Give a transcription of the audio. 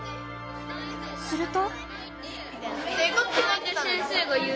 すると。